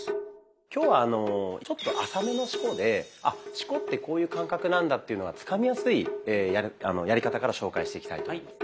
今日はちょっと浅めの四股で「あ四股ってこういう感覚なんだ」っていうのがつかみやすいやり方から紹介していきたいと思います。